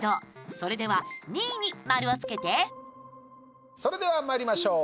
それでは２位に丸をつけてそれではまいりましょう。